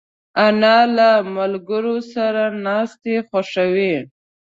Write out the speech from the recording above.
انا له ملګرو سره ناستې خوښوي